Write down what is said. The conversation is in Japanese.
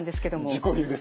自己流ですか？